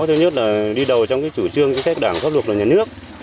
thứ nhất là đi đầu trong cái chủ trương chính sách đảng pháp luật vào nhà nước